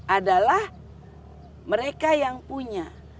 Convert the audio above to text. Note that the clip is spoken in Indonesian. adalah mereka yang punya